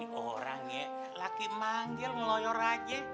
ya ini orangnya lagi manggil ngeloyor aja